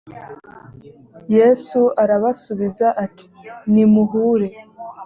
yesu arabasubiza ati nimuhure.